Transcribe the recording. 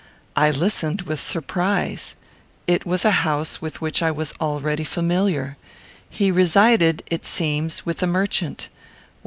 I listened with surprise. It was a house with which I was already familiar. He resided, it seems, with a merchant.